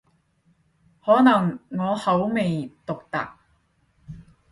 可能我口味獨特